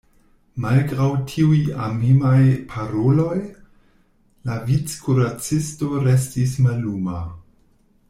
Malgraŭ tiuj amemaj paroloj, la vickuracisto restis malluma.